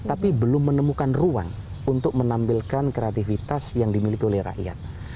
tapi belum menemukan ruang untuk menampilkan kreativitas yang dimiliki oleh rakyat